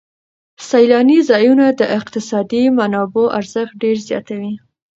سیلاني ځایونه د اقتصادي منابعو ارزښت ډېر زیاتوي.